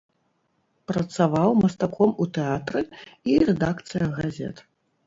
Працаваў мастаком у тэатры і рэдакцыях газет.